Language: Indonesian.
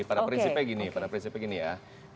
pada prinsipnya gini ya